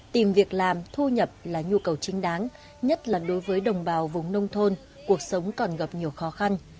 tìm việc làm thu nhập là nhu cầu chính đáng nhất là đối với đồng bào vùng nông thôn cuộc sống còn gặp nhiều khó khăn